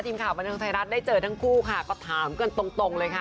ทีมข่าวบันเทิงไทยรัฐได้เจอทั้งคู่ค่ะก็ถามกันตรงเลยค่ะ